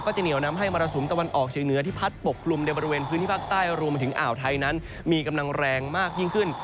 จะเหนียวนำให้มรสุมตะวันออกเฉียงเหนือที่พัดปกคลุมในบริเวณพื้นที่ภาคใต้รวมไปถึงอ่าวไทยนั้นมีกำลังแรงมากยิ่งขึ้น